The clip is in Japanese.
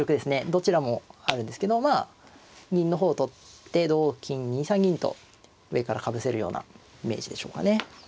どちらもあるんですけどまあ銀の方取って同金２三銀と上からかぶせるようなイメージでしょうかね。